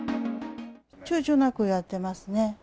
ちゅうちょなくやってますね。